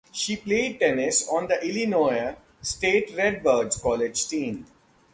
She played tennis on the Illinois State Redbirds college team.